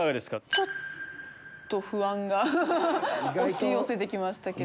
ちょっと不安が押し寄せて来ましたけど。